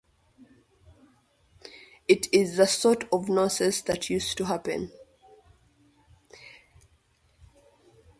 It is the sort of nonsense that used to happen.